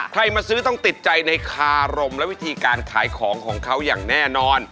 มาซื้อต้องติดใจในคารมและวิธีการขายของของเขาอย่างแน่นอน